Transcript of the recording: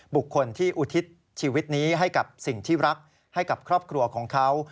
บุคคลที่อุทิศชีวิตนี้ให้กับสิ่งที่รักให้กับครอบครัวของเขา